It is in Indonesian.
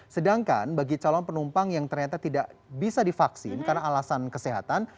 sedangkan bagi calon penumpang yang ternyata tidak bisa divaksin karena alasan kesehatan